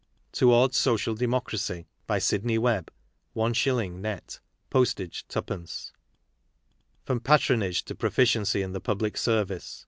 TOWARDS SOCIAL DEMOCRACY P By Sidney Webb. is. net; postage 2d. FROM PATRONAGE TO PROFICIENCY IN THE PUBUC SERVICE.